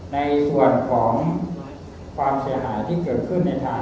ในส่วนของความเสียหายที่เกิดขึ้นในทาง